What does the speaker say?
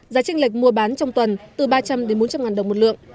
giá tranh lệch mua bán trong tuần từ ba trăm linh bốn trăm linh ngàn đồng một lượng